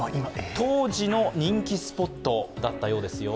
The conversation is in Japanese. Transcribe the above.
当時の人気スポットだったようですよ。